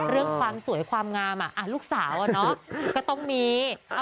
เรื่องความสวยความงามอ่ะลูกสาวอ่ะเนอะก็ต้องมี